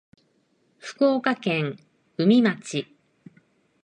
福岡県宇美町